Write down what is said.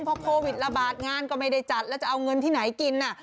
พอโควิดระบาดงานก็ไม่ได้จัดแล้วจะเอาเงินที่ไหนกินน่ะ